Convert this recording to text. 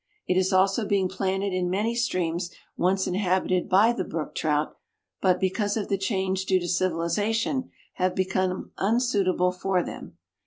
It is also being planted in many streams once inhabited by the Brook Trout, but because of the change due to civilization have become unsuitable for them.